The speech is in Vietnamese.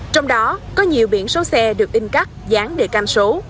trong đó có nhiều biển số xe được in cắt dán để canh số